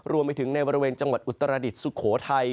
รวมไปถึงในบริเวณจังหวัดอุตรดิษฐสุโขทัย